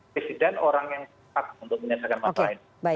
presiden orang yang tepat untuk menyelesaikan masalah ini